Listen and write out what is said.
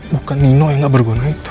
bukan nino yang nggak berguna itu